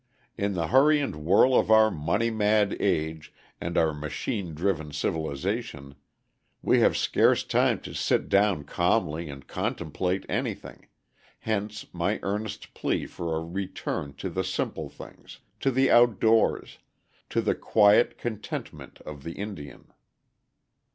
In the hurry and whirl of our money mad age and our machine driven civilization, we have scarce time to sit down calmly and contemplate anything, hence my earnest plea for a return to the simple things, to the outdoors, to the quiet contentment of the Indian.